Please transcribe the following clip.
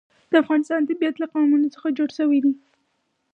د افغانستان طبیعت له قومونه څخه جوړ شوی دی.